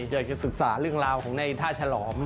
อยากจะศึกษาเรื่องราวของในท่าฉลอม